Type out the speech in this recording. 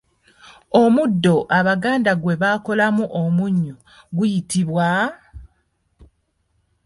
Omuddo Abaganda gwe bakolamu omunnyu guyitibwa?